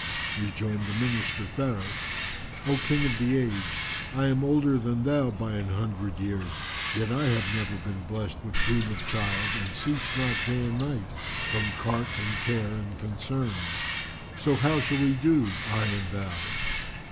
Rejoined the Minister Faris, "O King of the Age, I am older than thou by an hundred years yet have I never been blest with boon of child and cease not day and night from cark and care and concern; so how shall we do, I and thou?"